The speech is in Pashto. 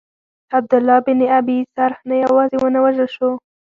عبدالله بن ابی سرح نه یوازي ونه وژل سو.